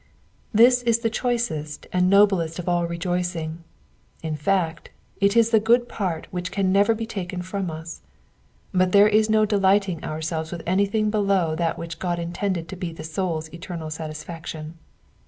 This is the choicest and noblest of all rejoicing ; in fact, it is the good part which can never be taken from us ; but there is no delighting ourselves with anything below that which Qod intended to be the soul's eternal satisfaction.